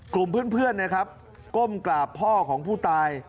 กลุ่มเพื่อนนะครับก้มกราบพ่อของผู้ตาย